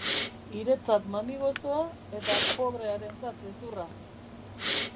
Hiretzat mami gozoa eta pobrearentzat hezurra.